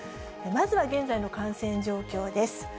まずは現在の感染状況です。